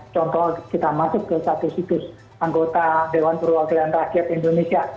contoh kita masuk ke satu situs anggota dewan perwakilan rakyat indonesia